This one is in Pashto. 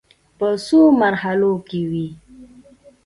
په څو مرحلو کې وې.